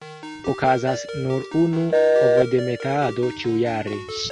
Okazas nur unu ovodemetado ĉiujare.